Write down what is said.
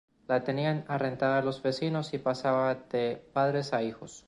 La tenían arrendada los vecinos y pasaba de padres a hijos.